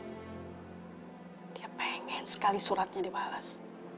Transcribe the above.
hai dia pengen sekali suratnya dibalas